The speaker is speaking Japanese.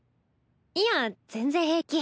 いや全然平気。